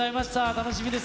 楽しみです。